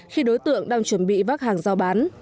khi đối tượng đang chuẩn bị vác hàng giao bán